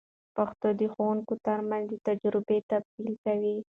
پښتو د ښوونکو تر منځ د تجربو تبادله کوي.